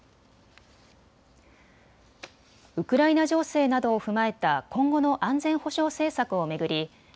ウクライナ情勢などを踏まえた今後の安全保障政策を巡り